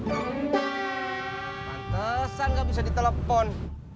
pantesan gak bisa ditelepon